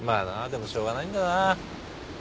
でもしょうがないんだな。